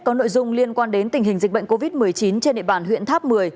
có nội dung liên quan đến tình hình dịch bệnh covid một mươi chín trên địa bàn huyện tháp một mươi